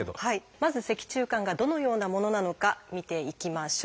まず脊柱管がどのようなものなのか見ていきましょう。